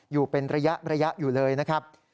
อยู่เป็นระยะอยู่เลยนะครับ